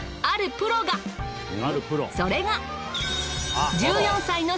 それが。